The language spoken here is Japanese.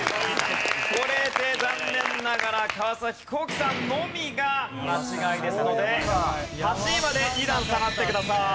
これで残念ながら川皇輝さんのみが間違いですので８位まで２段下がってください。